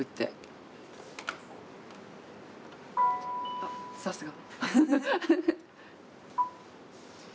あっさすが。